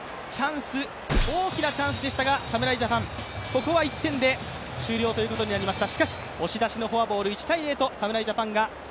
大きなチャンスでしたがここは１点で終了ということになりました。